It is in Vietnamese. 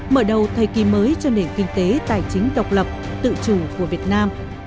mở đầu thời kỳ mới cho nền kinh tế tài chính độc lập tự chủ của việt nam